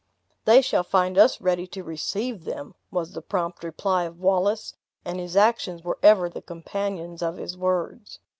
"They shall find us ready to receive them," was the prompt reply of Wallace; and his actions were ever the companions of his words.